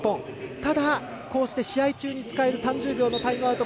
ただ、こうして試合中に使える３０秒のタイムアウト